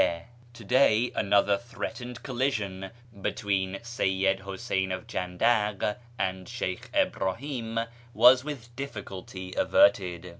— To day another threatened collision between Seyyid lluseyn of Jandak and Sheykh Ibrahim was with difficulty averted.